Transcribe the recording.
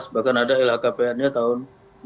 bahkan ada lha kpn nya tahun dua ribu dua puluh satu